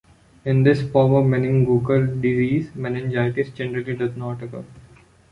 In this form of meningococcal disease, meningitis generally does not occur.